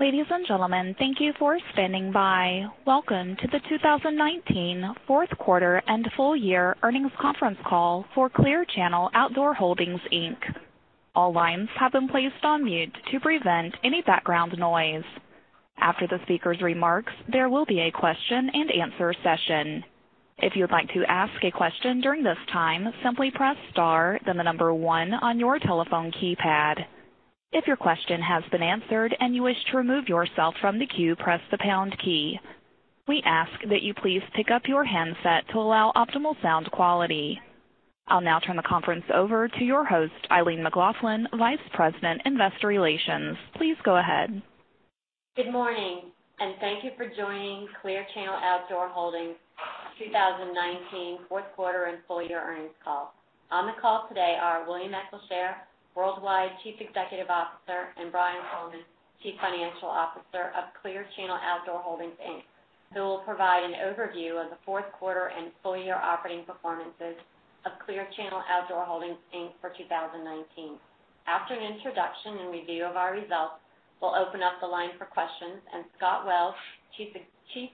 Ladies and gentlemen, thank you for standing by. Welcome to the 2019 Fourth Quarter and Full-Year Earnings Conference Call for Clear Channel Outdoor Holdings, Inc. All lines have been placed on mute to prevent any background noise. After the speaker's remarks, there will be a question and answer session. If you would like to ask a question during this time, simply press star, then the number one on your telephone keypad. If your question has been answered and you wish to remove yourself from the queue, press the pound key. We ask that you please pick up your handset to allow optimal sound quality. I'll now turn the conference over to your host, Eileen McLaughlin, Vice President, Investor Relations. Please go ahead. Good morning, and thank you for joining Clear Channel Outdoor Holdings 2019 Fourth Quarter and Full-Year Earnings Call. On the call today are William Eccleshare, Worldwide Chief Executive Officer, and Brian Coleman, Chief Financial Officer of Clear Channel Outdoor Holdings, Inc., who will provide an overview of the fourth quarter and full year operating performances of Clear Channel Outdoor Holdings, Inc. for 2019. After an introduction and review of our results, we'll open up the line for questions, Scott Wells, Chief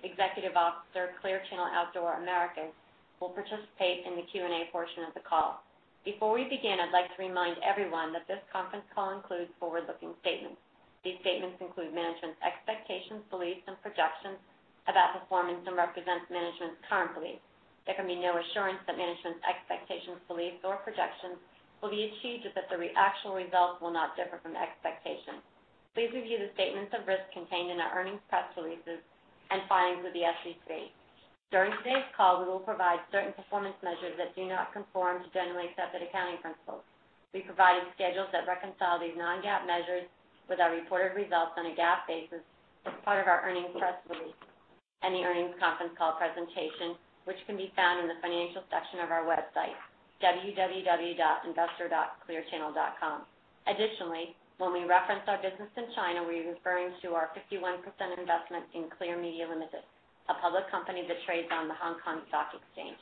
Executive Officer, Clear Channel Outdoor Americas, will participate in the Q&A portion of the call. Before we begin, I'd like to remind everyone that this conference call includes forward-looking statements. These statements include management's expectations, beliefs, and projections about performance, and represents management's current beliefs. There can be no assurance that management's expectations, beliefs, or projections will be achieved, or that the actual results will not differ from expectations. Please review the statements of risk contained in our earnings press releases and filings with the SEC. During today's call, we will provide certain performance measures that do not conform to generally accepted accounting principles. We provided schedules that reconcile these non-GAAP measures with our reported results on a GAAP basis as part of our earnings press release and the earnings conference call presentation, which can be found in the financial section of our website, www.investor.clearchannel.com. Additionally, when we reference our business in China, we are referring to our 51% investment in Clear Media Limited, a public company that trades on the Hong Kong Stock Exchange.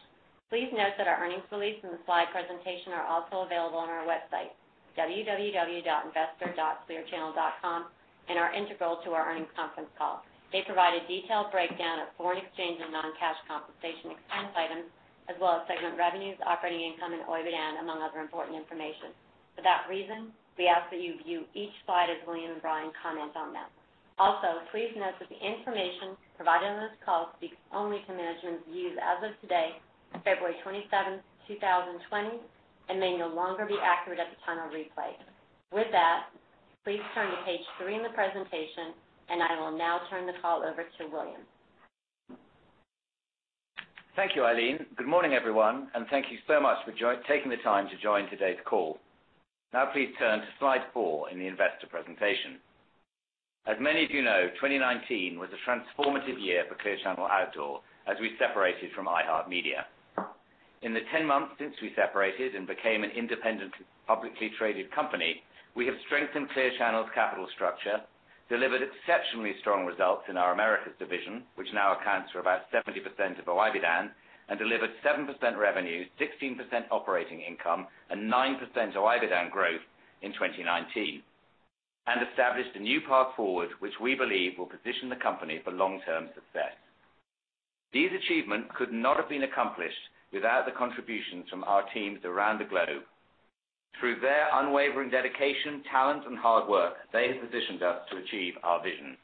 Please note that our earnings release and the slide presentation are also available on our website, www.investor.clearchannel.com, and are integral to our earnings conference call. They provide a detailed breakdown of foreign exchange and non-cash compensation expense items, as well as segment revenues, operating income, and OIBDAN, among other important information. For that reason, we ask that you view each slide as William and Brian comment on them. Also, please note that the information provided on this call speaks only to management's views as of today, February 27, 2020, and may no longer be accurate at the time of replay. With that, please turn to page three in the presentation, and I will now turn the call over to William. Thank you, Eileen. Good morning, everyone, and thank you so much for taking the time to join today's call. Now, please turn to slide four in the investor presentation. As many of you know, 2019 was a transformative year for Clear Channel Outdoor as we separated from iHeartMedia. In the 10 months since we separated and became an independent, publicly traded company, we have strengthened Clear Channel's capital structure, delivered exceptionally strong results in our Americas division, which now accounts for about 70% of OIBDAN, and delivered 7% revenue, 16% operating income, and 9% OIBDAN growth in 2019, and established a new path forward, which we believe will position the company for long-term success. These achievements could not have been accomplished without the contributions from our teams around the globe. Through their unwavering dedication, talent, and hard work, they have positioned us to achieve our vision.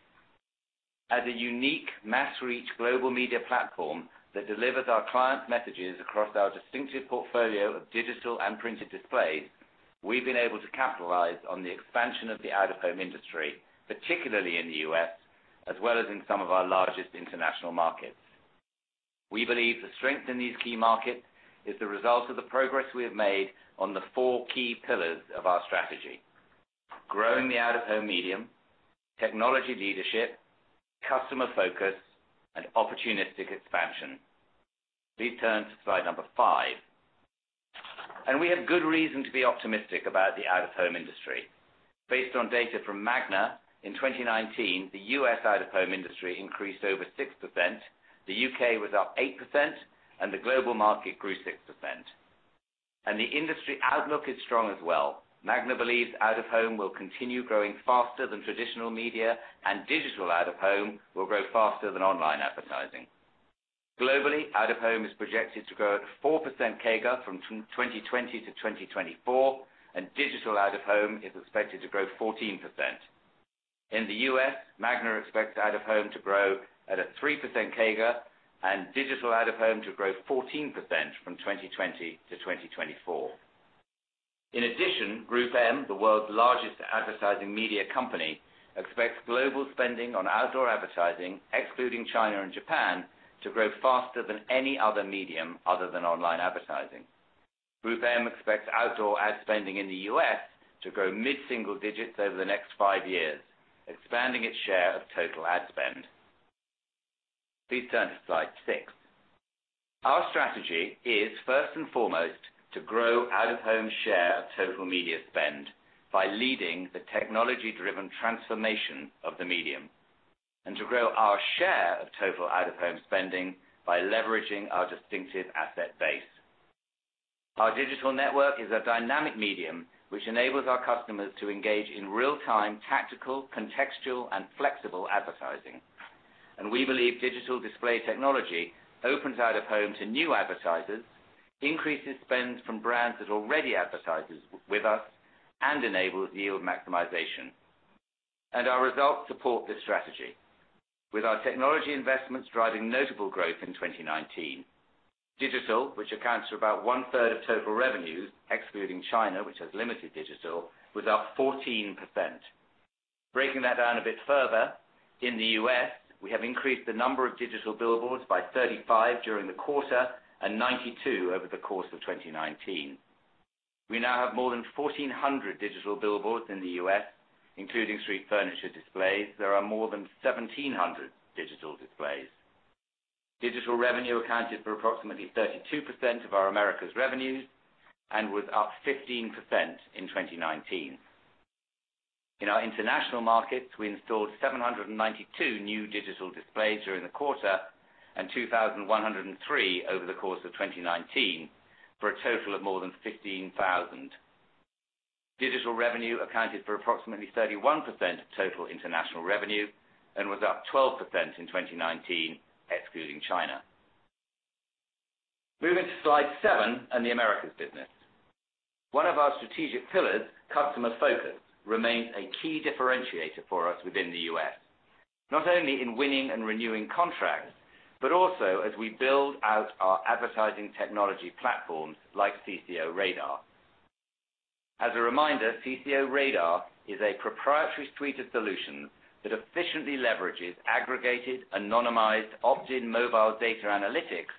As a unique mass-reach global media platform that delivers our clients' messages across our distinctive portfolio of digital and printed displays, we've been able to capitalize on the expansion of the out-of-home industry, particularly in the U.S., as well as in some of our largest international markets. We believe the strength in these key markets is the result of the progress we have made on the four key pillars of our strategy, growing the out-of-home medium, technology leadership, customer focus, and opportunistic expansion. Please turn to slide number five. We have good reason to be optimistic about the out-of-home industry. Based on data from Magna, in 2019, the U.S. out-of-home industry increased over 6%, the U.K. was up 8%, and the global market grew 6%, and the industry outlook is strong as well. Magna believes out-of-home will continue growing faster than traditional media, and digital out-of-home will grow faster than online advertising. Globally, out-of-home is projected to grow at a 4% CAGR from 2020 to 2024, and digital out-of-home is expected to grow 14%. In the U.S., Magna expects out-of-home to grow at a 3% CAGR and digital out-of-home to grow 14% from 2020 to 2024. In addition, GroupM, the world's largest advertising media company, expects global spending on outdoor advertising, excluding China and Japan, to grow faster than any other medium other than online advertising. GroupM expects outdoor ad spending in the U.S. to grow mid-single digits over the next five years, expanding its share of total ad spend. Please turn to slide six. Our strategy is first and foremost to grow out-of-home share of total media spend by leading the technology-driven transformation of the medium, and to grow our share of total out-of-home spending by leveraging our distinctive asset base. Our digital network is a dynamic medium which enables our customers to engage in real-time, tactical, contextual, and flexible advertising, and we believe digital display technology opens out-of-home to new advertisers, increases spend from brands that already advertise with us, and enables yield maximization. Our results support this strategy, with our technology investments driving notable growth in 2019. Digital, which accounts for about 1/3 of total revenues, excluding China, which has limited digital, was up 14%. Breaking that down a bit further, in the U.S., we have increased the number of digital billboards by 35 during the quarter and 92 over the course of 2019. We now have more than 1,400 digital billboards in the U.S., including street furniture displays. There are more than 1,700 digital displays. Digital revenue accounted for approximately 32% of our Americas revenues and was up 15% in 2019. In our international markets, we installed 792 new digital displays during the quarter, and 2,103 over the course of 2019 for a total of more than 15,000. Digital revenue accounted for approximately 31% of total international revenue and was up 12% in 2019, excluding China. Moving to slide seven and the Americas business. One of our strategic pillars, customer focus, remains a key differentiator for us within the U.S., not only in winning and renewing contracts, but also as we build out our advertising technology platforms like CCO RADAR. As a reminder, CCO RADAR is a proprietary Twitter solution that efficiently leverages aggregated, anonymized, opt-in mobile data analytics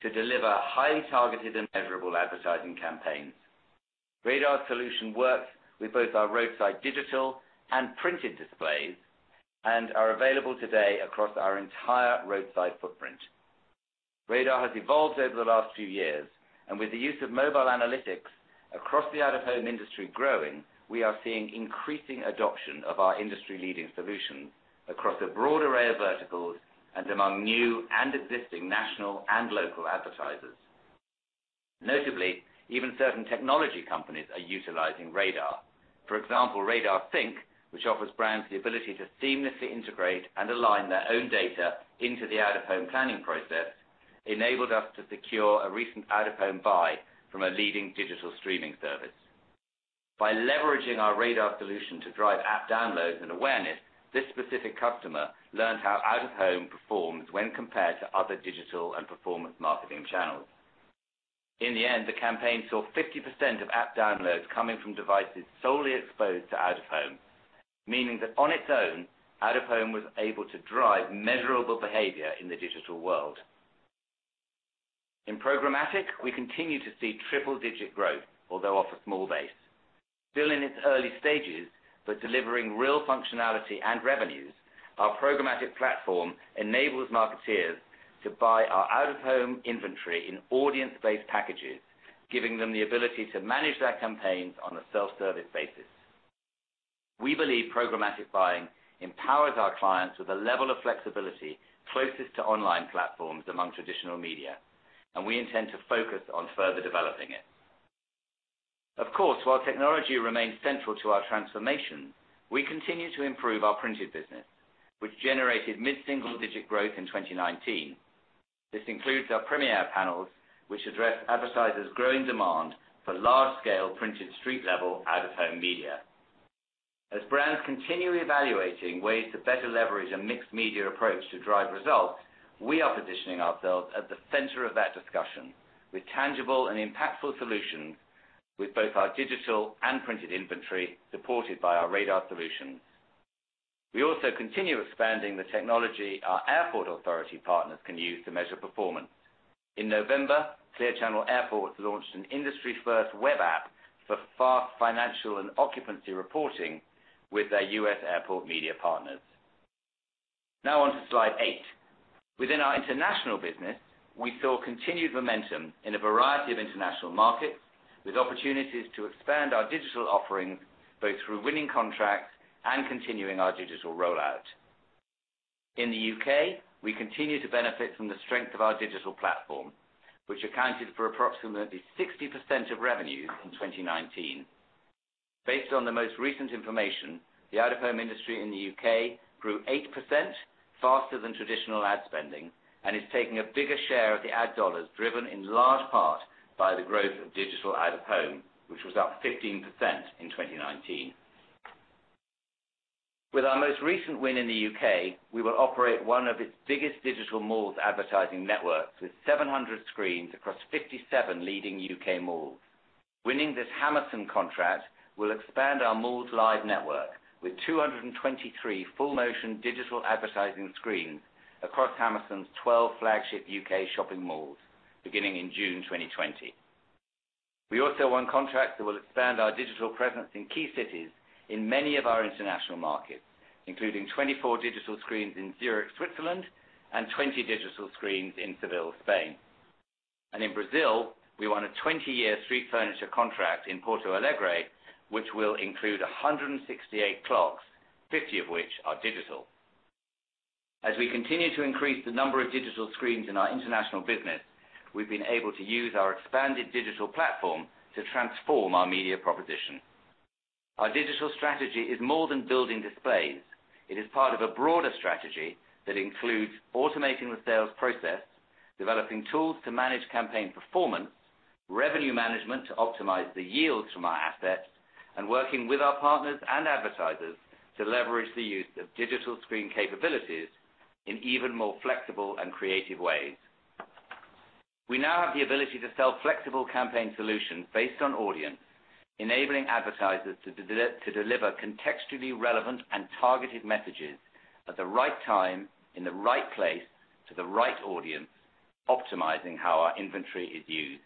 to deliver highly targeted and measurable advertising campaigns. RADAR solution works with both our roadside digital and printed displays and are available today across our entire roadside footprint. RADAR has evolved over the last few years, and with the use of mobile analytics across the out-of-home industry growing, we are seeing increasing adoption of our industry-leading solution across a broad array of verticals and among new and existing national and local advertisers. Notably, even certain technology companies are utilizing RADAR. For example, RadarSync, which offers brands the ability to seamlessly integrate and align their own data into the out-of-home planning process, enabled us to secure a recent out-of-home buy from a leading digital streaming service. By leveraging our RADAR solution to drive app downloads and awareness, this specific customer learned how out-of-home performs when compared to other digital and performance marketing channels. In the end, the campaign saw 50% of app downloads coming from devices solely exposed to out-of-home, meaning that on its own, out-of-home was able to drive measurable behavior in the digital world. In programmatic, we continue to see triple-digit growth, although off a small base. Still in its early stages, but delivering real functionality and revenues, our programmatic platform enables marketeers to buy our out-of-home inventory in audience-based packages, giving them the ability to manage their campaigns on a self-service basis. We believe programmatic buying empowers our clients with a level of flexibility closest to online platforms among traditional media, and we intend to focus on further developing it. Of course, while technology remains central to our transformation, we continue to improve our printed business, which generated mid-single digit growth in 2019. This includes our Premiere Panels, which address advertisers' growing demand for large-scale printed street-level out-of-home media. As brands continue evaluating ways to better leverage a mixed media approach to drive results, we are positioning ourselves at the center of that discussion with tangible and impactful solutions with both our digital and printed inventory supported by our RADAR Solutions. We also continue expanding the technology our airport authority partners can use to measure performance. In November, Clear Channel Airports launched an industry-first web app for fast financial and occupancy reporting with their U.S. airport media partners. Now on to slide eight, within our international business, we saw continued momentum in a variety of international markets with opportunities to expand our digital offerings, both through winning contracts and continuing our digital rollout. In the U.K., we continue to benefit from the strength of our digital platform, which accounted for approximately 60% of revenue in 2019. Based on the most recent information, the out-of-home industry in the U.K. grew 8% faster than traditional ad spending and is taking a bigger share of the ad dollars, driven in large part by the growth of digital out-of-home, which was up 15% in 2019. With our most recent win in the U.K., we will operate one of its biggest digital malls advertising networks with 700 screens across 57 leading U.K. malls. Winning this Hammerson contract will expand our Malls Live network with 223 full-motion digital advertising screens across Hammerson's 12 flagship U.K. shopping malls beginning in June 2020. We also won contracts that will expand our digital presence in key cities in many of our international markets, including 24 digital screens in Zurich, Switzerland, and 20 digital screens in Seville, Spain. In Brazil, we won a 20-year street furniture contract in Porto Alegre, which will include 168 clocks, 50 of which are digital. As we continue to increase the number of digital screens in our international business, we've been able to use our expanded digital platform to transform our media proposition. Our digital strategy is more than building displays. It is part of a broader strategy that includes automating the sales process, developing tools to manage campaign performance, revenue management to optimize the yields from our assets, and working with our partners and advertisers to leverage the use of digital screen capabilities in even more flexible and creative ways. We now have the ability to sell flexible campaign solutions based on audience, enabling advertisers to deliver contextually relevant and targeted messages at the right time, in the right place, to the right audience, optimizing how our inventory is used.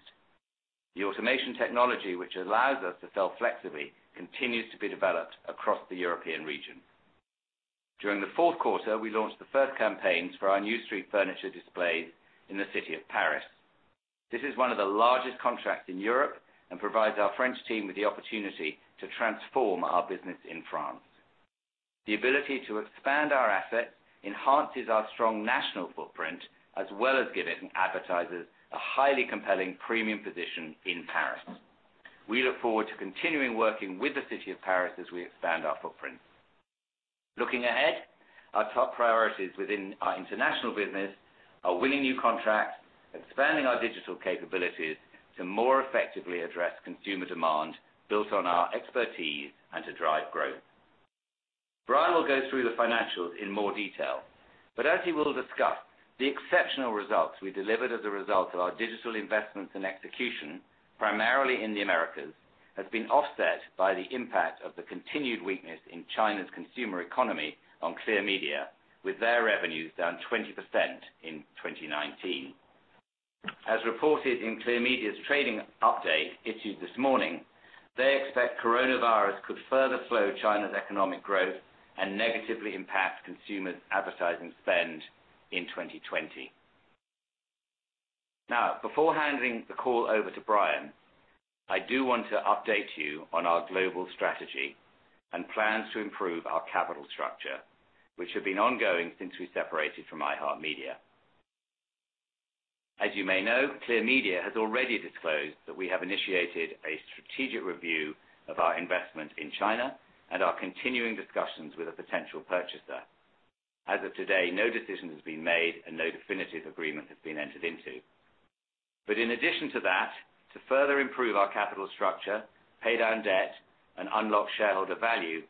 The automation technology, which allows us to sell flexibly continues to be developed across the European region. During the fourth quarter, we launched the first campaigns for our new street furniture displays in the City of Paris. This is one of the largest contracts in Europe and provides our French team with the opportunity to transform our business in France. The ability to expand our assets enhances our strong national footprint, as well as giving advertisers a highly compelling premium position in Paris. We look forward to continuing working with the city of Paris as we expand our footprint. Looking ahead, our top priorities within our international business are winning new contracts, expanding our digital capabilities to more effectively address consumer demand built on our expertise, and to drive growth. Brian will go through the financials in more detail, but as he will discuss, the exceptional results we delivered as a result of our digital investments and execution, primarily in the Americas, has been offset by the impact of the continued weakness in China's consumer economy on Clear Media with their revenues down 20% in 2019. As reported in Clear Media's trading update issued this morning, they expect coronavirus could further slow China's economic growth and negatively impact consumers' advertising spend in 2020. Before handing the call over to Brian, I do want to update you on our global strategy and plans to improve our capital structure, which have been ongoing since we separated from iHeartMedia. As you may know, Clear Media has already disclosed that we have initiated a strategic review of our investment in China, and are continuing discussions with a potential purchaser. As of today, no decision has been made, and no definitive agreement has been entered into. In addition to that, to further improve our capital structure, pay down debt, and unlock shareholder value,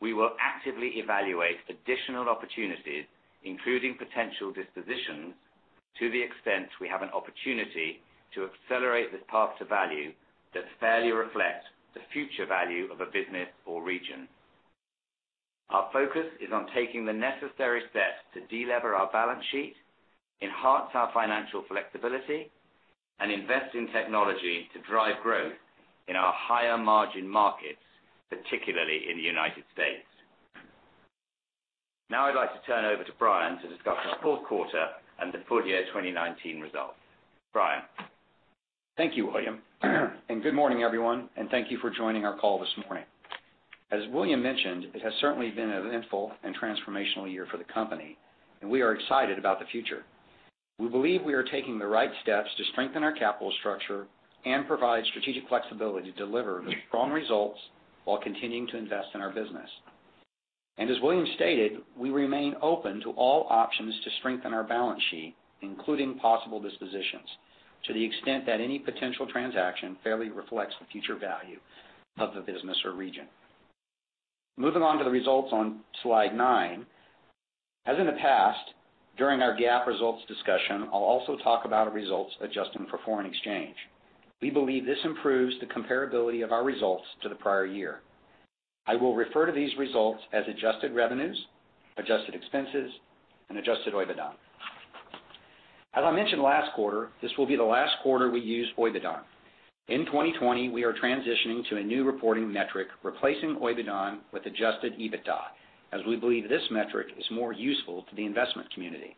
we will actively evaluate additional opportunities, including potential dispositions to the extent we have an opportunity to accelerate this path to value that fairly reflects the future value of a business or region. Our focus is on taking the necessary steps to de-lever our balance sheet, enhance our financial flexibility, and invest in technology to drive growth in our higher margin markets, particularly in the United States. Now, I'd like to turn over to Brian to discuss the fourth quarter and the full-year 2019 results. Brian. Thank you, William, good morning, everyone, and thank you for joining our call this morning. As William mentioned, it has certainly been an eventful and transformational year for the company, and we are excited about the future. We believe we are taking the right steps to strengthen our capital structure and provide strategic flexibility to deliver strong results while continuing to invest in our business. As William stated, we remain open to all options to strengthen our balance sheet, including possible dispositions, to the extent that any potential transaction fairly reflects the future value of the business or region. Moving on to the results on slide nine. As in the past, during our GAAP results discussion, I'll also talk about our results adjusting for foreign exchange. We believe this improves the comparability of our results to the prior year. I will refer to these results as adjusted revenues, adjusted expenses, and adjusted OIBDAN. As I mentioned last quarter, this will be the last quarter we use OIBDAN. In 2020, we are transitioning to a new reporting metric, replacing OIBDAN with adjusted EBITDA, as we believe this metric is more useful to the investment community.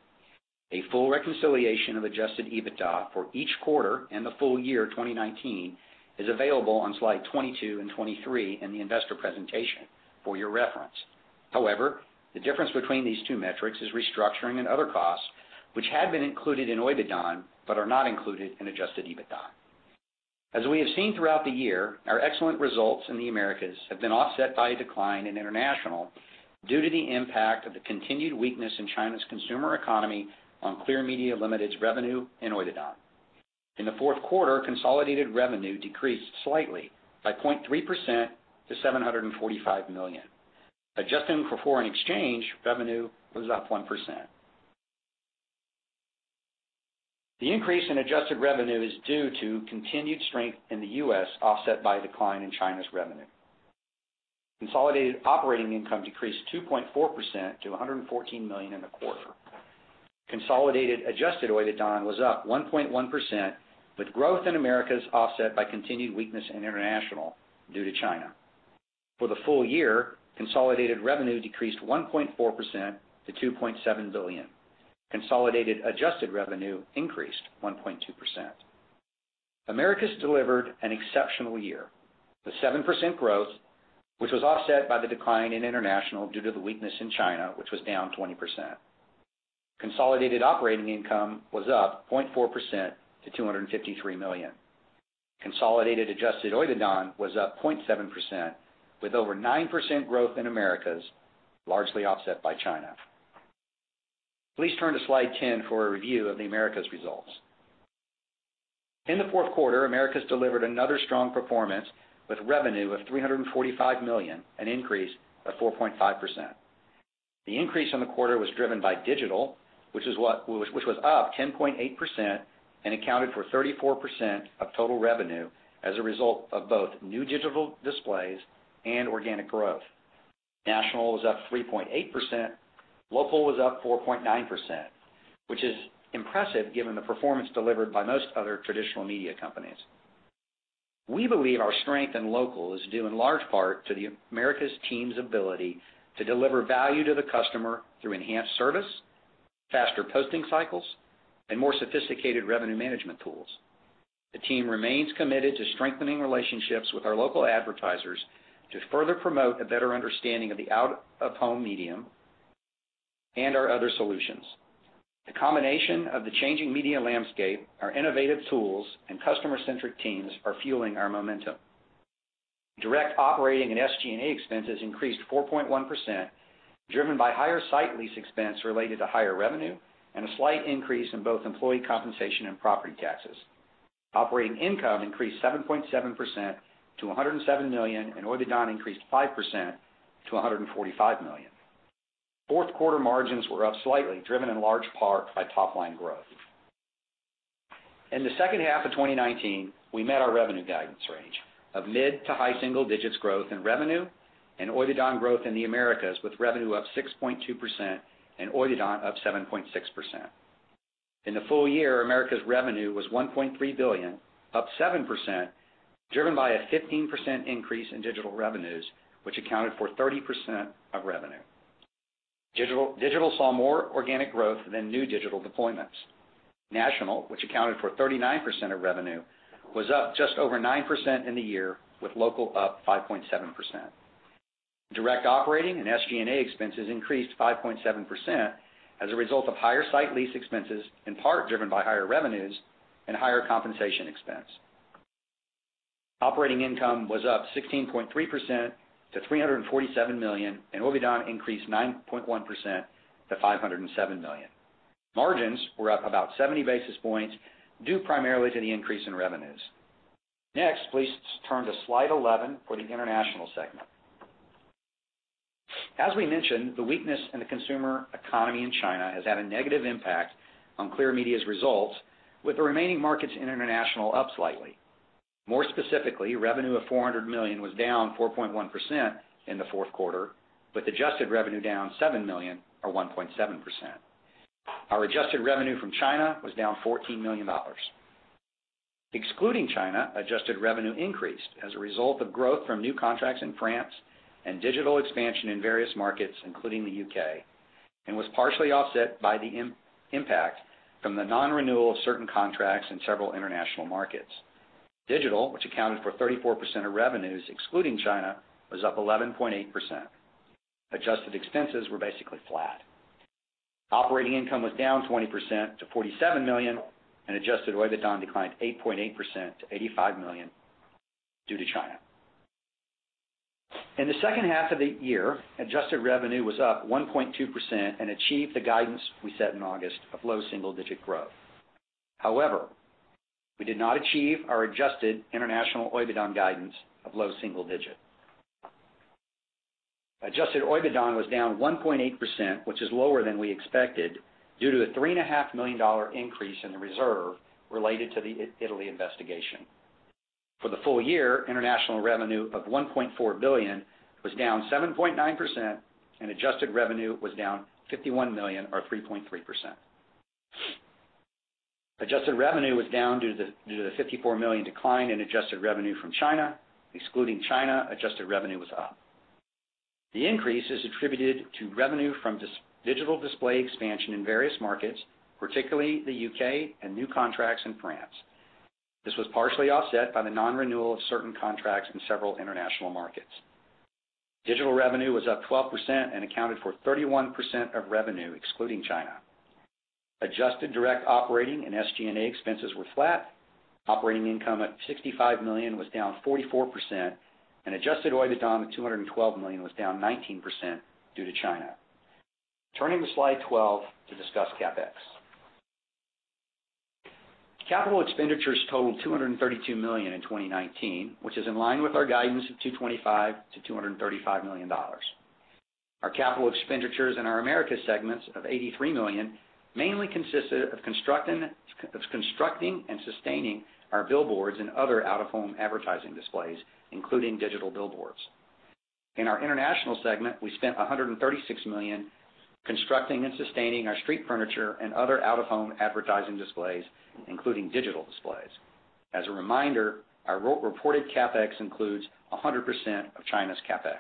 A full reconciliation of adjusted EBITDA for each quarter and the full-year, 2019, is available on slide 22 and 23 in the investor presentation for your reference. The difference between these two metrics is restructuring and other costs, which had been included in OIBDAN, but are not included in adjusted EBITDA. As we have seen throughout the year, our excellent results in the Americas have been offset by a decline in international due to the impact of the continued weakness in China's consumer economy on Clear Media Limited's revenue and OIBDAN. In the fourth quarter, consolidated revenue decreased slightly by 0.3% to $745 million. Adjusting for foreign exchange, revenue was up 1%. The increase in adjusted revenue is due to continued strength in the U.S., offset by a decline in China's revenue. Consolidated operating income decreased 2.4% to $114 million in the quarter. Consolidated adjusted OIBDAN was up 1.1%, with growth in Americas offset by continued weakness in International due to China. For the full year, consolidated revenue decreased 1.4% to $2.7 billion. Consolidated adjusted revenue increased 1.2%. Americas delivered an exceptional year. The 7% growth, which was offset by the decline in International due to the weakness in China, which was down 20%. Consolidated operating income was up 0.4% to $253 million. Consolidated adjusted OIBDAN was up 0.7%, with over 9% growth in Americas, largely offset by China. Please turn to slide 10 for a review of the Americas results. In the fourth quarter, Americas delivered another strong performance, with revenue of $345 million, an increase of 4.5%. The increase on the quarter was driven by digital, which was up 10.8% and accounted for 34% of total revenue as a result of both new digital displays and organic growth. National was up 3.8%, local was up 4.9%, which is impressive given the performance delivered by most other traditional media companies. We believe our strength in local is due in large part to the Americas team's ability to deliver value to the customer through enhanced service, faster posting cycles, and more sophisticated revenue management tools. The team remains committed to strengthening relationships with our local advertisers to further promote a better understanding of the out-of-home medium and our other solutions. The combination of the changing media landscape, our innovative tools, and customer-centric teams are fueling our momentum. Direct operating and SG&A expenses increased 4.1%, driven by higher site lease expense related to higher revenue and a slight increase in both employee compensation and property taxes. Operating income increased 7.7% to $107 million, and OIBDAN increased 5% to $145 million. Fourth quarter margins were up slightly, driven in large part by top-line growth. In the second half of 2019, we met our revenue guidance range of mid-to-high single digits growth in revenue and OIBDAN growth in the Americas with revenue up 6.2% and OIBDAN up 7.6%. In the full year, Americas revenue was $1.3 billion, up 7%, driven by a 15% increase in digital revenues, which accounted for 30% of revenue. Digital saw more organic growth than new digital deployments. National, which accounted for 39% of revenue, was up just over 9% in the year, with local up 5.7%. Direct operating and SG&A expenses increased 5.7% as a result of higher site lease expenses, in part driven by higher revenues and higher compensation expense. Operating income was up 16.3% to $347 million, and OIBDAN increased 9.1% to $507 million. Margins were up about 70 basis points, due primarily to the increase in revenues. Next, please turn to slide 11 for the international segment. As we mentioned, the weakness in the consumer economy in China has had a negative impact on Clear Media's results, with the remaining markets in international up slightly. More specifically, revenue of $400 million was down 4.1% in the fourth quarter, with adjusted revenue down $7 million or 1.7%. Our adjusted revenue from China was down $14 million. Excluding China, adjusted revenue increased as a result of growth from new contracts in France and digital expansion in various markets, including the U.K., and was partially offset by the impact from the non-renewal of certain contracts in several international markets. Digital, which accounted for 34% of revenues excluding China, was up 11.8%. Adjusted expenses were basically flat. Operating income was down 20% to $47 million, and adjusted OIBDAN declined 8.8% to $85 million due to China. In the second half of the year, adjusted revenue was up 1.2% and achieved the guidance we set in August of low single digit growth. However, we did not achieve our adjusted international OIBDAN guidance of low single digit. Adjusted OIBDAN was down 1.8%, which is lower than we expected due to a $3.5 million increase in the reserve related to the Italy investigation. For the full year, international revenue of $1.4 billion was down 7.9%, and adjusted revenue was down $51 million, or 3.3%. Adjusted revenue was down due to the $54 million decline in adjusted revenue from China. Excluding China, adjusted revenue was up. The increase is attributed to revenue from digital display expansion in various markets, particularly the U.K., and new contracts in France. This was partially offset by the non-renewal of certain contracts in several international markets. Digital revenue was up 12% and accounted for 31% of revenue, excluding China. Adjusted direct operating and SGA expenses were flat. Operating income at $65 million was down 44%, and adjusted OIBDAN at $212 million was down 19% due to China. Turning to slide 12 to discuss CapEx. Capital expenditures totaled $232 million in 2019, which is in line with our guidance of $225 million to $235 million. Our capital expenditures in our Americas segments of $83 million mainly consisted of constructing and sustaining our billboards and other out-of-home advertising displays, including digital billboards. In our international segment, we spent $136 million constructing and sustaining our street furniture and other out-of-home advertising displays, including digital displays. As a reminder, our reported CapEx includes 100% of China's CapEx.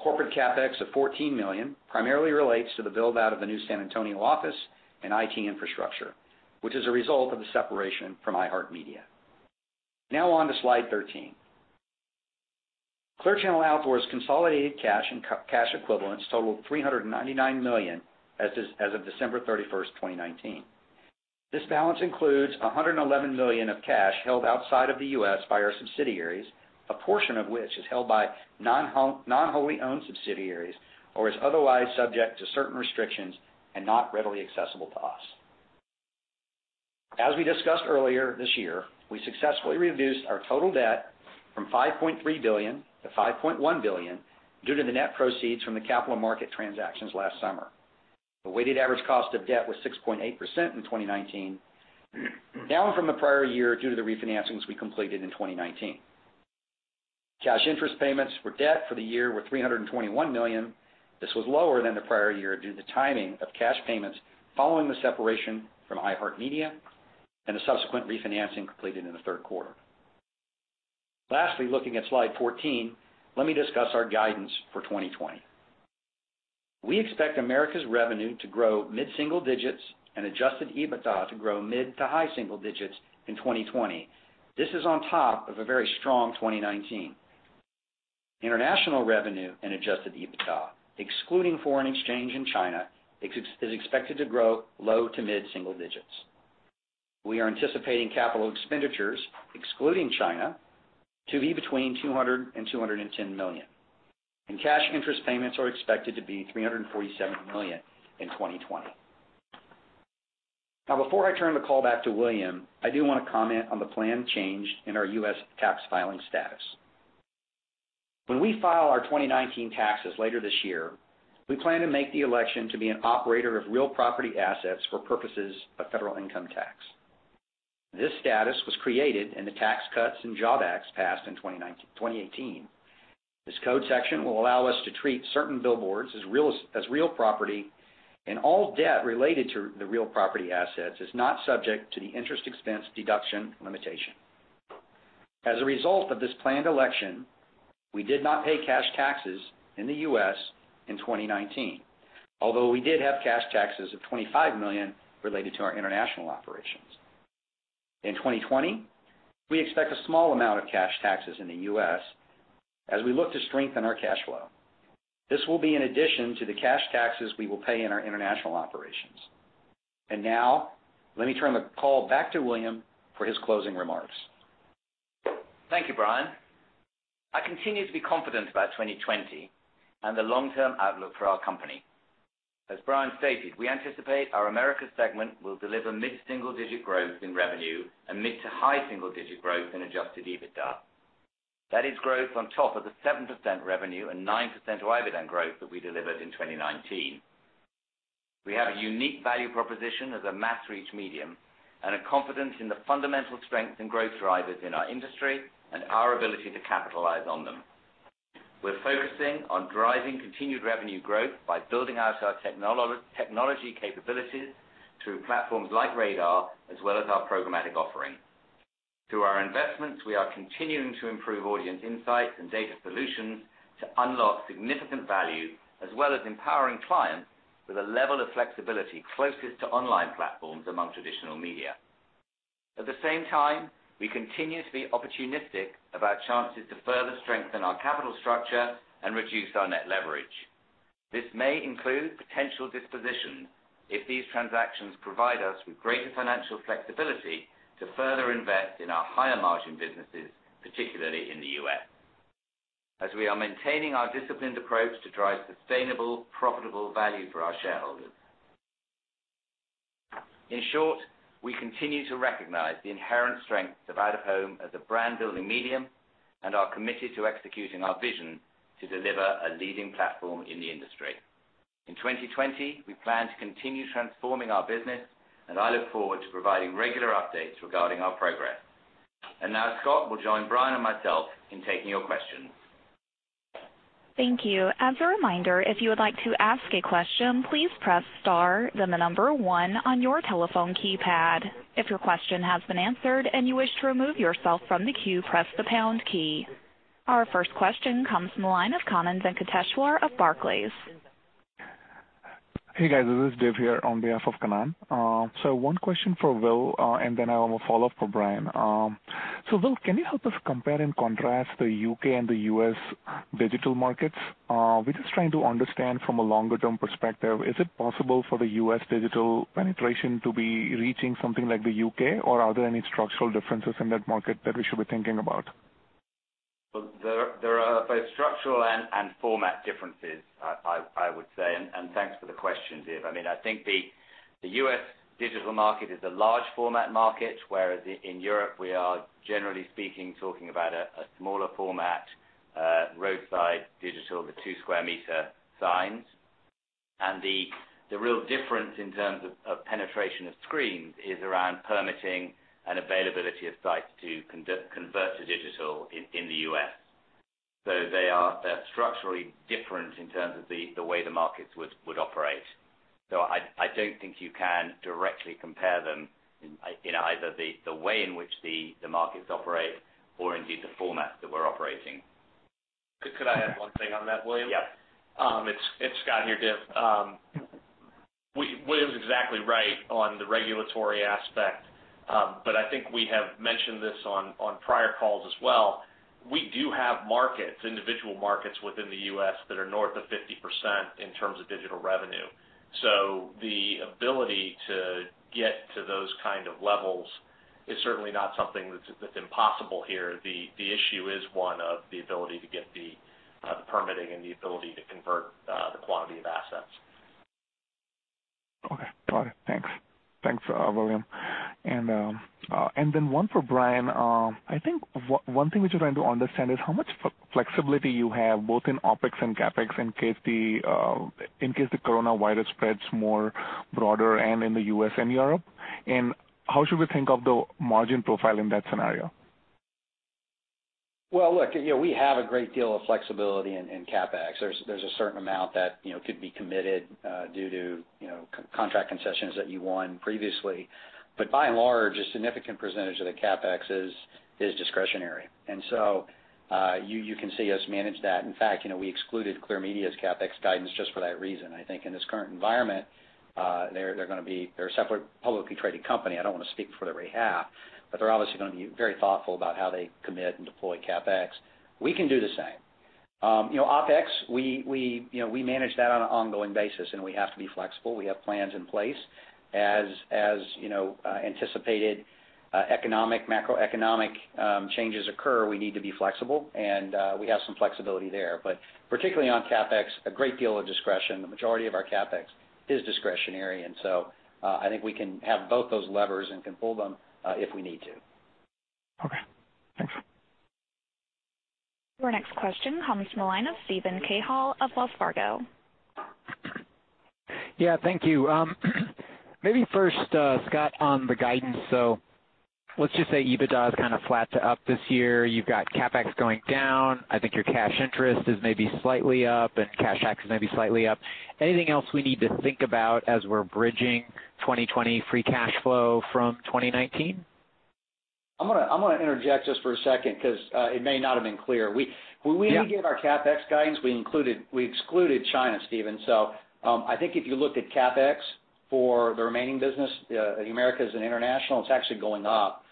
Corporate CapEx of $14 million primarily relates to the build-out of the new San Antonio office and IT infrastructure, which is a result of the separation from iHeartMedia. Now on to slide 13, Clear Channel Outdoor's consolidated cash and cash equivalents totaled $399 million as of December 31st, 2019. This balance includes $111 million of cash held outside of the U.S. by our subsidiaries, a portion of which is held by non-wholly owned subsidiaries or is otherwise subject to certain restrictions and not readily accessible to us. As we discussed earlier this year, we successfully reduced our total debt from $5.3 billion to $5.1 billion due to the net proceeds from the capital market transactions last summer. The weighted average cost of debt was 6.8% in 2019, down from the prior year due to the refinancings we completed in 2019. Cash interest payments for debt for the year were $321 million. This was lower than the prior year due to the timing of cash payments following the separation from iHeartMedia and the subsequent refinancing completed in the third quarter. Lastly, looking at slide 14, let me discuss our guidance for 2020. We expect Americas revenue to grow mid-single digits and adjusted EBITDA to grow mid-to-high single digits in 2020. This is on top of a very strong 2019. International revenue and adjusted EBITDA, excluding foreign exchange in China, is expected to grow low-to-mid single digits. We are anticipating capital expenditures, excluding China, to be between $200 million and $210 million, and cash interest payments are expected to be $347 million in 2020. Now, before I turn the call back to William, I do want to comment on the planned change in our U.S. tax filing status. When we file our 2019 taxes later this year, we plan to make the election to be an operator of real property assets for purposes of federal income tax. This status was created in the Tax Cuts and Jobs Act passed in 2018. This code section will allow us to treat certain billboards as real property, and all debt related to the real property assets is not subject to the interest expense deduction limitation. As a result of this planned election, we did not pay cash taxes in the U.S. in 2019, although we did have cash taxes of $25 million related to our international operations. In 2020, we expect a small amount of cash taxes in the U.S. as we look to strengthen our cash flow. This will be in addition to the cash taxes we will pay in our international operations, and now, let me turn the call back to William for his closing remarks. Thank you, Brian. I continue to be confident about 2020 and the long-term outlook for our company. As Brian stated, we anticipate our Americas Segment will deliver mid-single-digit growth in revenue and mid-to-high single-digit growth in adjusted EBITDA. That is growth on top of the 7% revenue and 9% EBITDA growth that we delivered in 2019. We have a unique value proposition as a mass reach medium and are confident in the fundamental strength and growth drivers in our industry and our ability to capitalize on them. We're focusing on driving continued revenue growth by building out our technology capabilities through platforms like RADAR, as well as our programmatic offering. Through our investments, we are continuing to improve audience insights and data solutions to unlock significant value, as well as empowering clients with a level of flexibility closest to online platforms among traditional media. At the same time, we continue to be opportunistic about chances to further strengthen our capital structure and reduce our net leverage. This may include potential dispositions, if these transactions provide us with greater financial flexibility to further invest in our higher margin businesses, particularly in the U.S., as we are maintaining our disciplined approach to drive sustainable, profitable value for our shareholders. In short, we continue to recognize the inherent strengths of out-of-home as a brand building medium and are committed to executing our vision to deliver a leading platform in the industry. In 2020, we plan to continue transforming our business, and I look forward to providing regular updates regarding our progress. Now Scott will join Brian and myself in taking your questions. Thank you. As a reminder, if you would like to ask a question, please press star, then the number one on your telephone keypad. If your question has been answered, and you wish to remove yourself from the queue, press the pound key. Our first question comes from the line of Kannan Venkateshwar of Barclays. Hey, guys. This is Dev here on behalf of Kannan, so one question for Will, and then I have a follow-up for Brian. Will, can you help us compare and contrast the U.K. and the U.S. digital markets? We're just trying to understand from a longer-term perspective, is it possible for the U.S. digital penetration to be reaching something like the U.K., or are there any structural differences in that market that we should be thinking about? Well, there are both structural and format differences, I would say, and thanks for the question, Dev. I think the U.S. digital market is a large format market, whereas in Europe, we are generally speaking, talking about a smaller format, roadside digital, the 2 sq m signs. The real difference in terms of penetration of screens is around permitting and availability of sites to convert to digital in the U.S. They're structurally different in terms of the way the markets would operate. I don't think you can directly compare them in either the way in which the markets operate or indeed the formats that we're operating. Could I add one thing on that, William? Yeah. It's Scott here, Dev. William's exactly right on the regulatory aspect. I think we have mentioned this on prior calls as well. We do have markets, individual markets within the U.S. that are north of 50% in terms of digital revenue. The ability to get to those kind of levels is certainly not something that's impossible here. The issue is one of the ability to get the permitting and the ability to convert the quantity of assets. Okay, got it, thanks. Thanks, William, and then one for Brian. I think one thing which we're trying to understand is how much flexibility you have, both in OpEx and CapEx in case the coronavirus spreads more broader in the U.S. and Europe, and how should we think of the margin profile in that scenario? Well, look, we have a great deal of flexibility in CapEx. There's a certain amount that could be committed due to, you know, contract concessions that you won previously. By and large, a significant percentage of the CapEx is discretionary. You can see us manage that. In fact, we excluded Clear Media's CapEx guidance just for that reason. I think in this current environment, they're a separate publicly traded company, I don't want to speak for their behalf, but they're obviously going to be very thoughtful about how they commit and deploy CapEx. We can do the same. OpEx, we manage that on an ongoing basis, and we have to be flexible. We have plans in place. As anticipated economic, macroeconomic changes occur, we need to be flexible, and we have some flexibility there, but particularly on CapEx, a great deal of discretion. The majority of our CapEx is discretionary, and so I think we can have both those levers and can pull them if we need to. Okay, thanks. Our next question comes from the line of Steven Cahall of Wells Fargo. Yeah, thank you, and maybe first, Scott, on the guidance. Let's just say EBITDA is kind of flat to up this year. You've got CapEx going down. I think your cash interest is maybe slightly up and cash tax is maybe slightly up. Anything else we need to think about as we're bridging 2020 free cash flow from 2019? I'm going to interject just for a second because it may not have been clear. Yeah. When we gave our CapEx guidance, we excluded China, Steven. I think if you look at CapEx for the remaining business, the Americas and International, it's actually going up.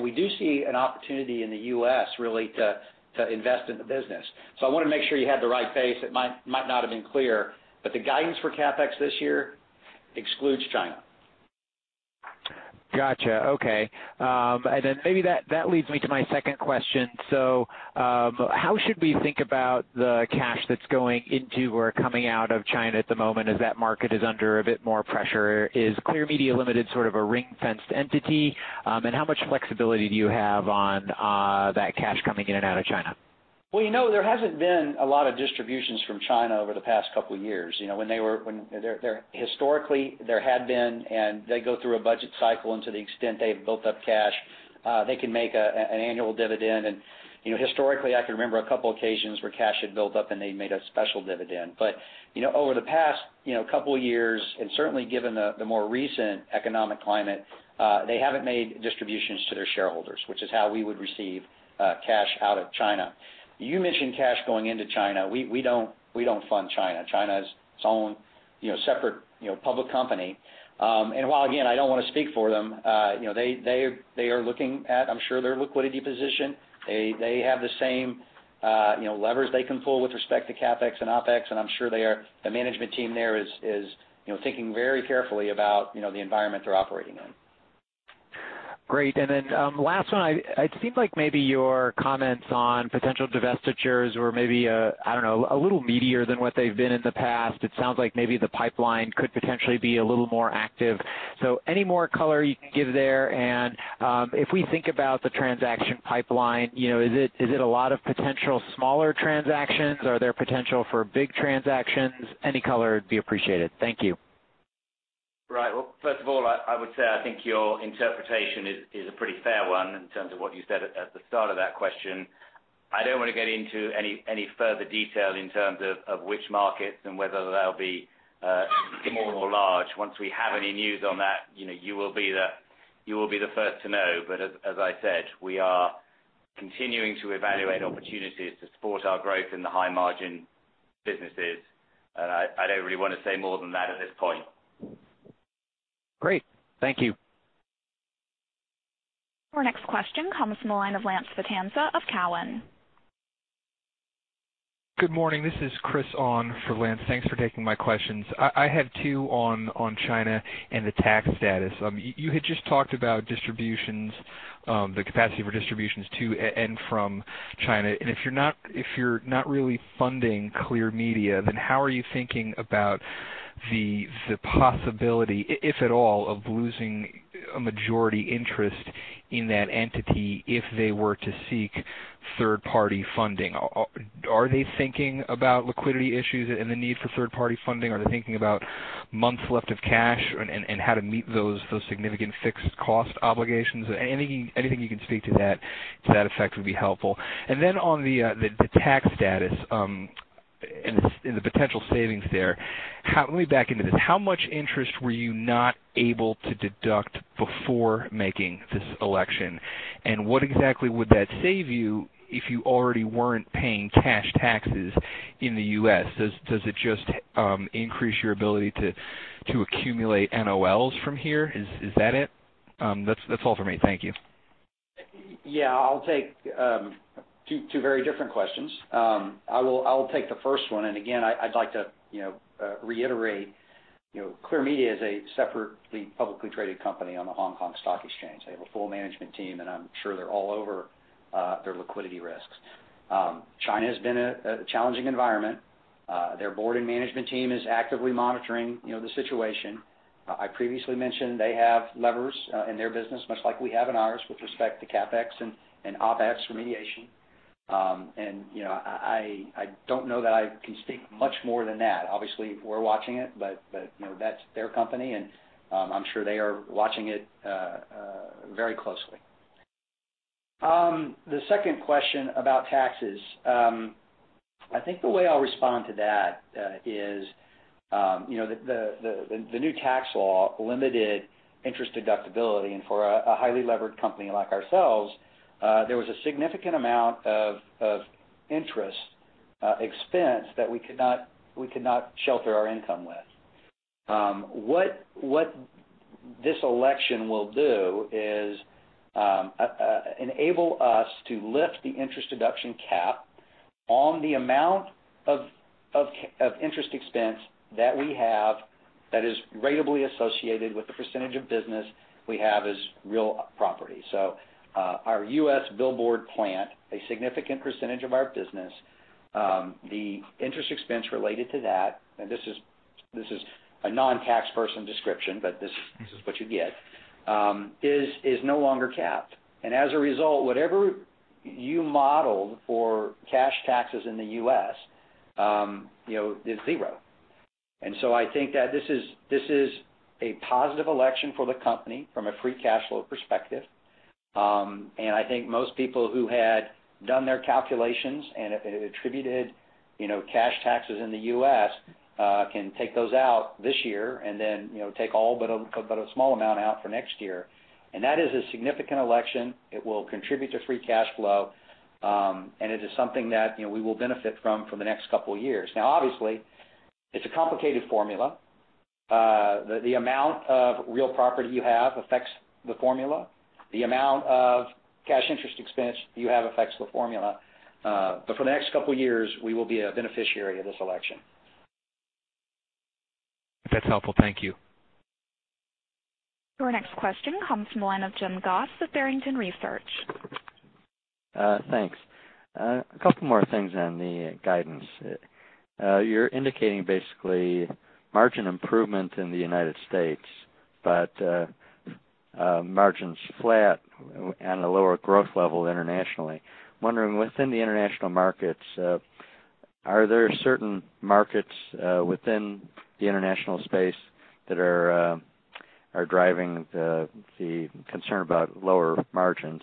We do see an opportunity in the U.S., really, to invest in the business. I want to make sure you have the right base. It might not have been clear but the guidance for CapEx this year excludes China. Got you, okay, and then maybe that leads me to my second question. How should we think about the cash that's going into or coming out of China at the moment as that market is under a bit more pressure? Is Clear Media Limited sort of a ring-fenced entity? How much flexibility do you have on that cash coming in and out of China? Well, you know, there hasn't been a lot of distributions from China over the past couple of years. Historically, there had been, and they go through a budget cycle, and to the extent they've built up cash, they can make an annual dividend. Historically, I can remember a couple occasions where cash had built up and they made a special dividend. Over the past, you know, couple of years, and certainly given the more recent economic climate, they haven't made distributions to their shareholders, which is how we would receive cash out of China. You mentioned cash going into China, we don't fund China. China is its own separate public company and while, again, I don't want to speak for them, they are looking at, I'm sure, their liquidity position. They have the same levers they can pull with respect to CapEx and OpEx. I'm sure the management team there is thinking very carefully about the environment they're operating in. Great, and then last one, it seemed like maybe your comments on potential divestitures were maybe, I don't know, a little meatier than what they've been in the past. It sounds like maybe the pipeline could potentially be a little more active. Any more color you can give there? If we think about the transaction pipeline, you know, is it a lot of potential smaller transactions? Are there potential for big transactions? Any color would be appreciated. Thank you. Right. Well, first of all, I would say I think your interpretation is a pretty fair one in terms of what you said at the start of that question. I don't want to get into any further detail in terms of which markets and whether they'll be small or large. Once we have any news on that, you know, you will be the first to know, but as I said, we are continuing to evaluate opportunities to support our growth in the high-margin businesses. I don't really want to say more than that at this point. Great, thank you. Our next question comes from the line of Lance Vitanza of Cowen. Good morning. This is Chris on for Lance. Thanks for taking my questions. I have two on China and the tax status. You had just talked about distributions, the capacity for distributions to and from China, and if you're not really funding Clear Media, then how are you thinking about the possibility, if at all, of losing a majority interest in that entity if they were to seek third-party funding? Are they thinking about liquidity issues and the need for third-party funding? Are they thinking about months left of cash and how to meet those significant fixed cost obligations? Anything you can speak to that effect would be helpful. On the tax status, in the potential savings there, let me back into this. How much interest were you not able to deduct before making this election? What exactly would that save you if you already weren't paying cash taxes in the U.S.? Does it just increase your ability to accumulate NOLs from here? Is that it? That's all from me. Thank you. Yeah. I'll take two very different questions. I will take the first one. Again, I'd like to reiterate, you know, Clear Media is a separately publicly traded company on the Hong Kong Stock Exchange. They have a full management team. I'm sure they're all over their liquidity risks. China has been a challenging environment. Their board and management team is actively monitoring, you know, the situation. I previously mentioned they have levers in their business, much like we have in ours with respect to CapEx and OpEx remediation and, you know, I don't know that I can speak much more than that. Obviously, we're watching it, that's their company and I'm sure they are watching it very closely. The second question about taxes, I think the way I'll respond to that is, the new tax law limited interest deductibility and for a highly levered company like ourselves, there was a significant amount of interest expense that we could not shelter our income with. What this election will do is, enable us to lift the interest deduction cap on the amount of interest expense that we have that is ratably associated with the percentage of business we have as real property. Our U.S. billboard plant, a significant percentage of our business, the interest expense related to that, and this is a non-tax person description, but this is what you get, is no longer capped. As a result, whatever you model for cash taxes in the U.S., is zero. I think that this is a positive election for the company from a free cash flow perspective. I think most people who had done their calculations and attributed, you know, cash taxes in the U.S., can take those out this year and then take all but a small amount out for next year, and that is a significant election. It will contribute to free cash flow and it is something that we will benefit from for the next couple of years. Now, obviously, it's a complicated formula. The amount of real property you have affects the formula. The amount of cash interest expense you have affects the formula. For the next couple of years, we will be a beneficiary of this election. That's helpful. Thank you. Your next question comes from the line of Jim Goss of Barrington Research. Thanks, a couple more things on the guidance. You're indicating basically margin improvement in the United States, margins flat and a lower growth level internationally. I'm wondering within the international markets, are there certain markets within the international space that are driving the concern about lower margins?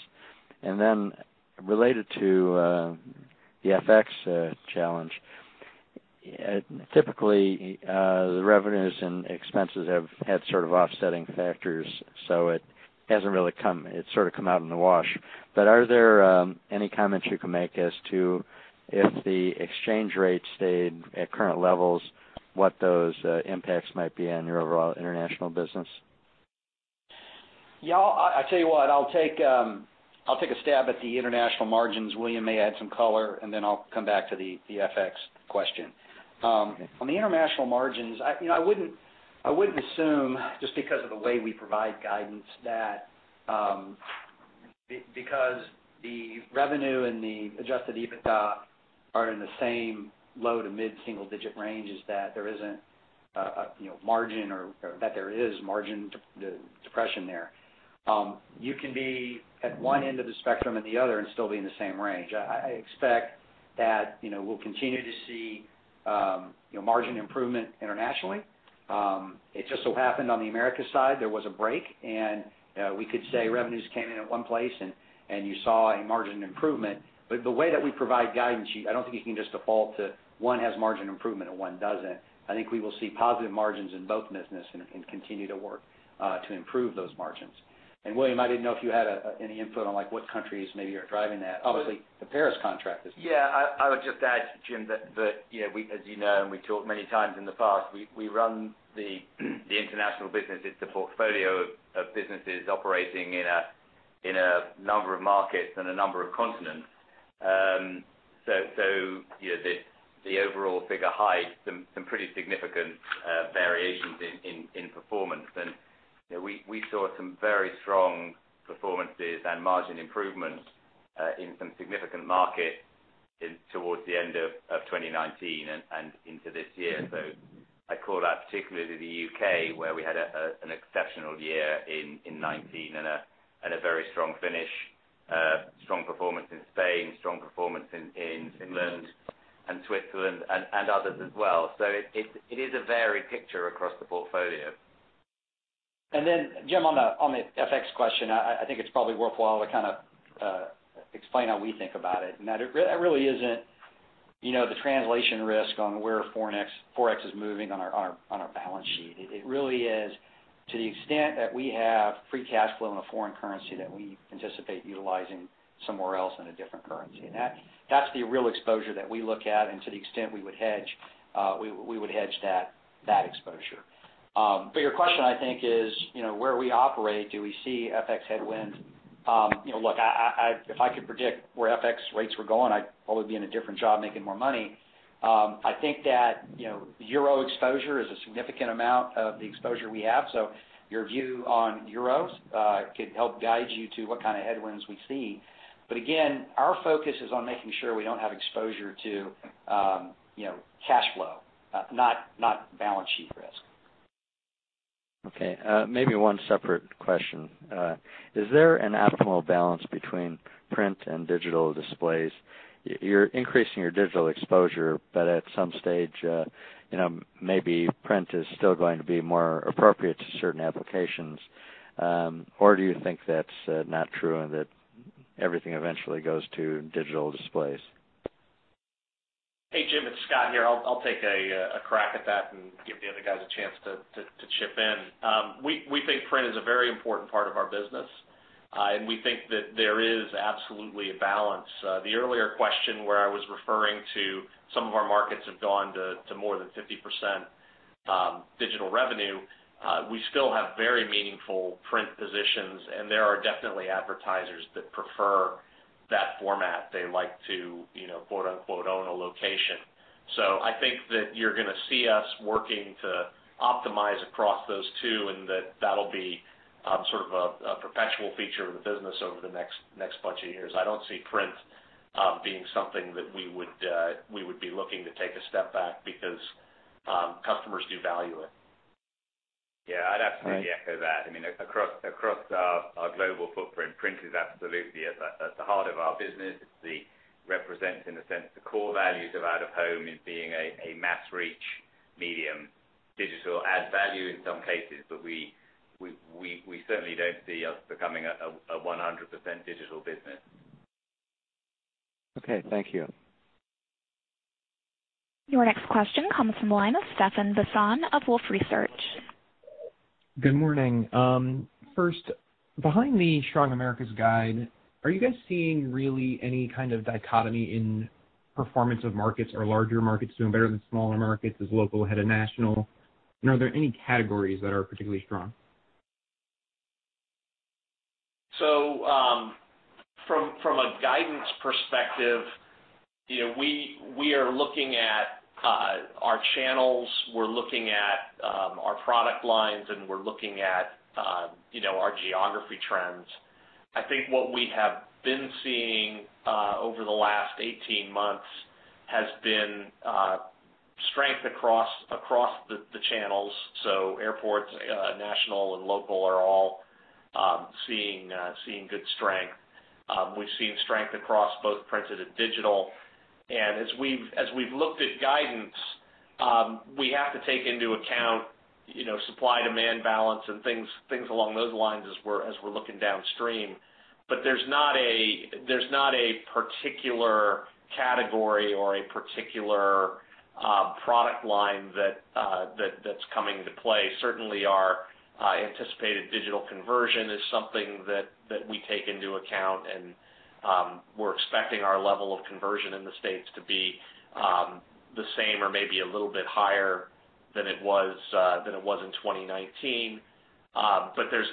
Related to the FX challenge, typically, the revenues and expenses have had sort of offsetting factors, it sort of come out in the wash. Are there any comments you can make as to if the exchange rate stayed at current levels, what those impacts might be on your overall international business? Yeah, I tell you what, I'll take a stab at the international margins. William may add some color, and then I'll come back to the FX question. On the international margins, you know, I wouldn't assume just because of the way we provide guidance that because the revenue and the adjusted EBITDA are in the same low to mid-single digit ranges, that there isn't a margin or that there is margin depression there. You can be at one end of the spectrum and the other and still be in the same range. I expect that we'll continue to see margin improvement internationally. It just so happened on the Americas side, there was a break, and we could say revenues came in at one place and you saw a margin improvement. The way that we provide guidance, I don't think you can just default to one has margin improvement and one doesn't. I think we will see positive margins in both business and continue to work to improve those margins. William, I didn't know if you had any input on what countries maybe are driving that, obviously, the Paris contract is this one. Yeah, I would just add, Jim, that as you know, we talked many times in the past, we run the international business. It's a portfolio of businesses operating in a number of markets and a number of continents. The overall figure hides some pretty significant variations in performance and, you know, we saw some very strong performances and margin improvements in some significant markets towards the end of 2019 and into this year. I call out particularly the U.K., where we had an exceptional year in 2019 and a very strong finish, strong performance in Spain, strong performance in Finland, and Switzerland and others as well. It is a varied picture across the portfolio. Jim, on the FX question, I think it's probably worthwhile to explain how we think about it, and that really isn't, you know, the translation risk on where Forex is moving on our balance sheet. It really is to the extent that we have free cash flow in a foreign currency that we anticipate utilizing somewhere else in a different currency. That's the real exposure that we look at, and to the extent we would hedge, we would hedge that exposure. Your question, I think is, where we operate, do we see FX headwinds? Look, if I could predict where FX rates were going, I'd probably be in a different job making more money. I think that, you know, Euro exposure is a significant amount of the exposure we have. Your view on Euros, could help guide you to what kind of headwinds we see. Again, our focus is on making sure we don't have exposure to, you know, cash flow, not balance sheet risk. Okay. Maybe one separate question. Is there an optimal balance between print and digital displays? You're increasing your digital exposure, but at some stage, you know, maybe print is still going to be more appropriate to certain applications, or do you think that's not true and that everything eventually goes to digital displays? Hey, Jim, it's Scott here. I'll take a crack at that and give the other guys a chance to chip in. We think print is a very important part of our business. We think that there is absolutely a balance. The earlier question where I was referring to some of our markets have gone to more than 50% digital revenue, we still have very meaningful print positions, and there are definitely advertisers that prefer that format. They like to "own a location." I think that you're going to see us working to optimize across those two and that'll be sort of a perpetual feature of the business over the next bunch of years. I don't see print being something that we would be looking to take a step back because customers do value it. Yeah, I'd absolutely echo that. Across our global footprint, print is absolutely at the heart of our business. It represents, in a sense, the core values of out-of-home in being a mass reach medium. Digital adds value in some cases, but we certainly don't see us becoming a 100% digital business. Okay. Thank you. Your next question comes from the line of Stephan Bisson of Wolfe Research. Good morning. First, behind the strong Americas guide, are you guys seeing really any kind of dichotomy in performance of markets or larger markets doing better than smaller markets? Is local ahead of national? Are there any categories that are particularly strong? From a guidance perspective, you know, we are looking at our channels, we're looking at our product lines, and we're looking at, you know, our geography trends. I think what we have been seeing, over the last 18 months has been strength across the channels. Airports, national and local are all seeing good strength. We've seen strength across both printed and digital. As we've looked at guidance, we have to take into account supply-demand balance and things along those lines as we're looking downstream. There's not a particular category or a particular product line that's coming into play. Certainly, our anticipated digital conversion is something that we take into account, and we're expecting our level of conversion in the states to be the same or maybe a little bit higher than it was in 2019. There's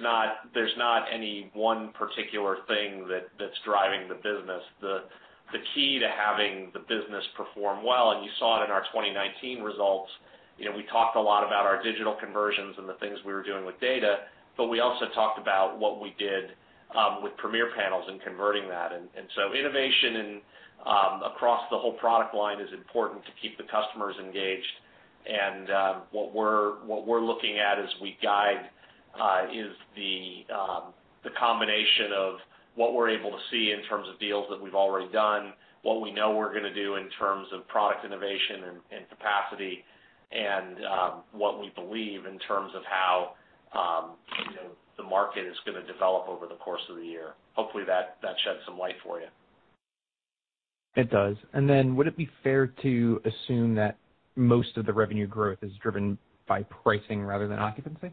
not any one particular thing that's driving the business. The key to having the business perform well, and you saw it in our 2019 results, we talked a lot about our digital conversions and the things we were doing with data, but we also talked about what we did with Premiere Panels and converting that. Innovation across the whole product line is important to keep the customers engaged. What we're looking at as we guide is the combination of what we're able to see in terms of deals that we've already done, what we know we're going to do in terms of product innovation and capacity, and what we believe in terms of how, you know, the market is going to develop over the course of the year. Hopefully, that sheds some light for you. It does and then would it be fair to assume that most of the revenue growth is driven by pricing rather than occupancy?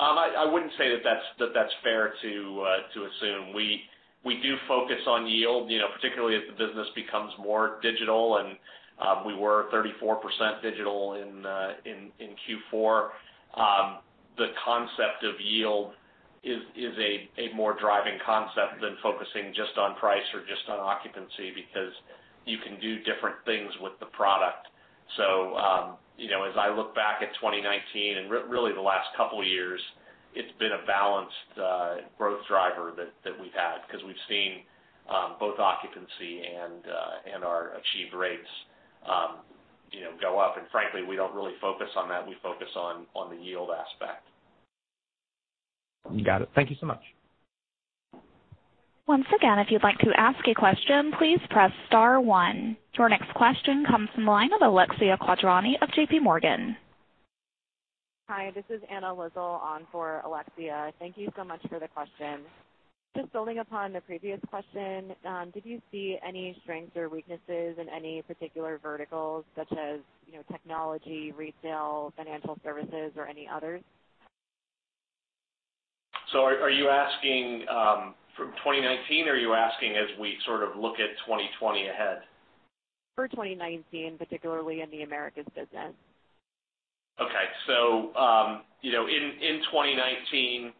I wouldn't say that that's fair to assume. We do focus on yield, you know, particularly as the business becomes more digital, and we were 34% digital in Q4. The concept of yield is a more driving concept than focusing just on price or just on occupancy because you can do different things with the product. As I look back at 2019 and really the last couple of years, it's been a balanced growth driver that we've had because we've seen both occupancy and our achieved rates, you know, go up. Frankly, we don't really focus on that. We focus on the yield aspect. Got it. Thank you so much. Once again, if you'd like to ask a question, please press star one. Your next question comes from the line of Alexia Quadrani of J.P. Morgan. Hi, this is Anna Lizzul on for Alexia. Thank you so much for the question. Just building upon the previous question, did you see any strengths or weaknesses in any particular verticals such as technology, retail, financial services, or any others? Are you asking from 2019 or are you asking as we sort of look at 2020 ahead? For 2019, particularly in the Americas business. Okay, so, you know, in 2019,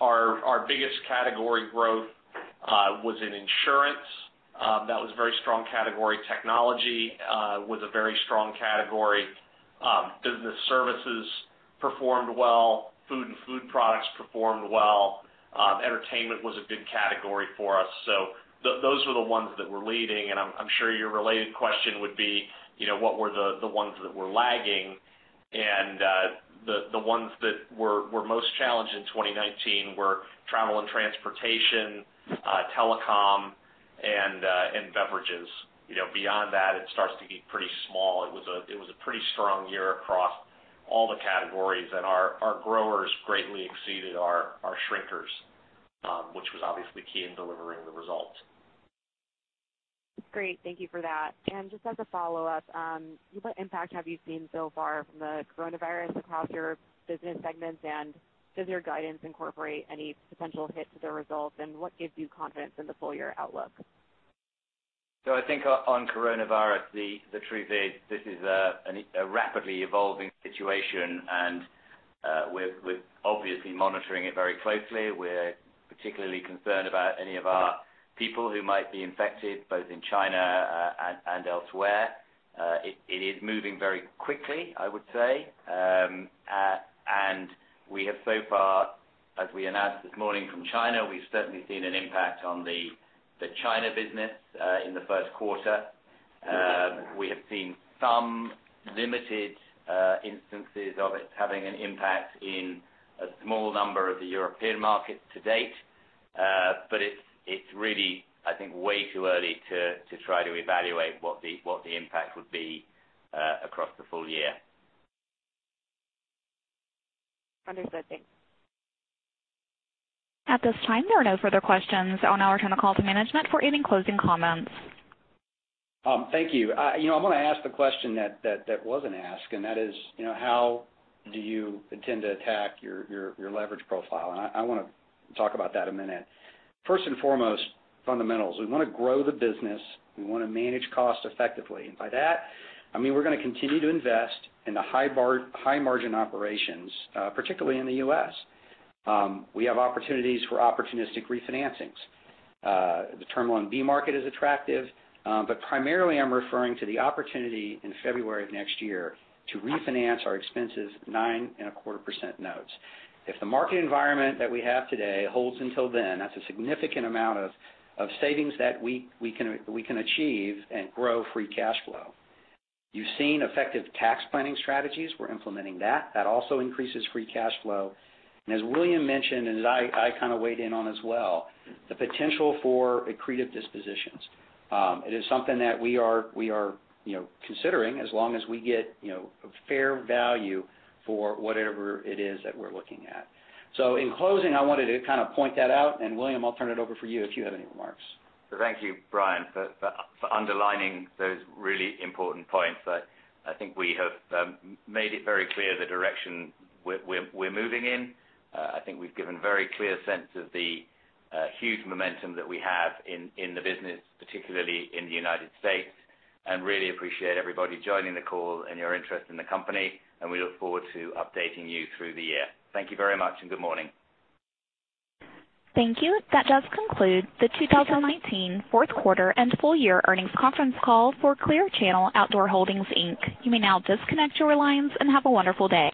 our biggest category growth was in insurance. That was a very strong category. Technology was a very strong category. Business services performed well. Food and food products performed well. Entertainment was a good category for us. Those were the ones that were leading, and I'm sure your related question would be, what were the ones that were lagging? The ones that were most challenged in 2019 were travel and transportation, telecom, and beverages. Beyond that, it starts to get pretty small. It was a pretty strong year across all the categories, and our growers greatly exceeded our shrinkers, which was, obviously, key in delivering the results. Great, thank you for that, and just as a follow-up, what impact have you seen so far from the coronavirus across your business segments, and does your guidance incorporate any potential hit to the results? What gives you confidence in the full-year outlook? I think on coronavirus, the truth is this is a rapidly evolving situation, and we're obviously monitoring it very closely. We're particularly concerned about any of our people who might be infected, both in China and elsewhere. It is moving very quickly, I would say. We have so far, as we announced this morning from China, we've certainly seen an impact on the China business in the first quarter. We have seen some limited instances of it having an impact in a small number of the European markets to date. It's really, I think, way too early to try to evaluate what the impact would be across the full year. Understood. Thanks. At this time, there are no further questions. I'll now return the call to management for any closing comments. Thank you. I'm going to ask the question that wasn't asked, and that is, how do you intend to attack your leverage profile? I want to talk about that a minute. First and foremost, fundamentals. We want to grow the business. We want to manage costs effectively, and by that, I mean we're going to continue to invest in the high margin operations, particularly in the U.S. We have opportunities for opportunistic refinancings. The Term Loan B market is attractive, but primarily I'm referring to the opportunity in February of next year to refinance our expensive 9.25% notes. The market environment that we have today holds until then, that's a significant amount of savings that we can achieve and grow free cash flow. You've seen effective tax planning strategies. We're implementing that. That also increases free cash flow. As William mentioned, and as I kind of weighed in on as well, the potential for accretive dispositions. It is something that we are, you know, considering as long as we get fair value for whatever it is that we're looking at. In closing, I wanted to kind of point that out. William, I'll turn it over for you if you have any remarks. Thank you, Brian, for underlining those really important points. I think we have made it very clear the direction we're moving in. I think we've given very clear sense of the huge momentum that we have in the business, particularly in the U.S., and really appreciate everybody joining the call and your interest in the company, and we look forward to updating you through the year. Thank you very much and good morning. Thank you. That does conclude the 2019 Fourth Quarter and Full-Year Earnings Conference Call for Clear Channel Outdoor Holdings, Inc. You may now disconnect your lines and have a wonderful day.